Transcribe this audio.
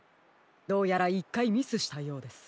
どうやら１かいミスしたようです。